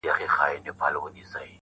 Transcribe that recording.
کلي مو وسوځیږي-